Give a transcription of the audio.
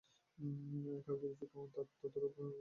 কাওয়াইদুল্ ফিক্হ তাঁর তদ্রূপ আর একটি বিশদ গ্রন্থ।